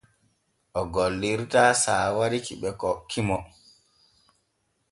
O gollirtaa saawari ki ɓe hokki mo.